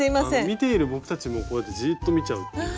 見ている僕たちもこうやってじっと見ちゃうっていう。